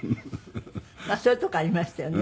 まあそういうとこありましたよね。